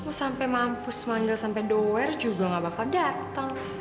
aku sampai mampus manggil sampai doer juga gak bakal datang